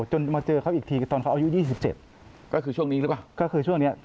จนมาเจอเขาอีกทีตอนเขาอายุยี่สิบเจ็ดก็คือช่วงนี้หรือเปล่า